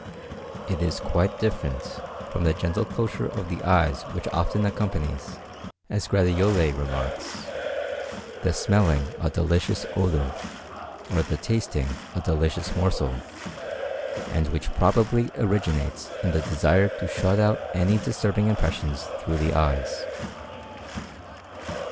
It is quite different from the gentle closure of the eyes which often accompanies, as Gratiolet remarks, the smelling a delicious odour, or the tasting a delicious morsel, and which probably originates in the desire to shut out any disturbing impression through the eyes.